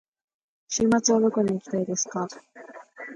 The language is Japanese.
週末はどこに行きたいですか。